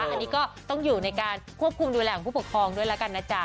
อันนี้ก็ต้องอยู่ในการควบคุมดูแลของผู้ปกครองด้วยแล้วกันนะจ๊ะ